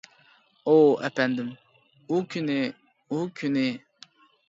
ئوۋ، ئەپەندىم، ئۇ كۈنى، ئۇ كۈنى.